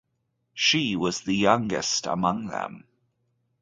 She was the youngest among them.